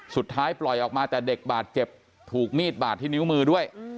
สุดท้ายปล่อยออกมาแต่เด็กบาดเจ็บถูกมีดบาดที่นิ้วมือด้วย